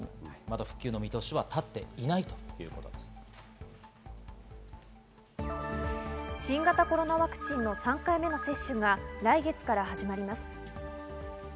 復旧の見通しはたっていない新型コロナワクチンの３回目の接種が来月から始まります。